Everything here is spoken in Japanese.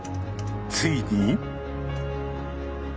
ついに。